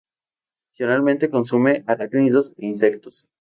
Adicionalmente consume arácnidos e insectos.